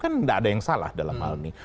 kan tidak ada yang salah dalam hal ini